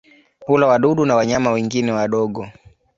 Hula wadudu na wanyama wengine wadogo.